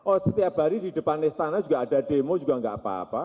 oh setiap hari di depan istana juga ada demo juga nggak apa apa